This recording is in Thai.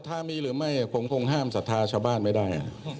สถามีหรือไม่ผมคงห้ามสถาชาบ้านไม่ได้